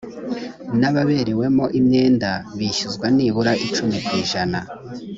n’ababerewemo imyenda bishyuza nibura icumi ku ijana